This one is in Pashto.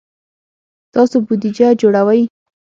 تاسو بودیجه جوړوئ؟